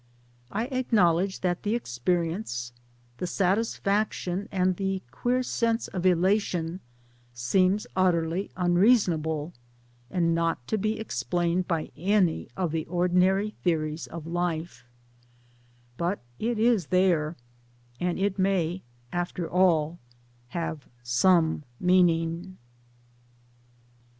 I acknowledge that the experience the satisfaction and the queer sense of elation seems utterly unreasonable, and not to be explained by any of the ordinary theories of life ; but it is there, and it may, after all, have some meaning.